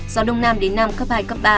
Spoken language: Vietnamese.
gió đông nam đến nam cấp hai ba